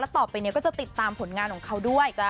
แล้วต่อไปจะติดตามผลงานของเขาด้วย